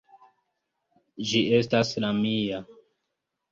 Ĝi estas la mia.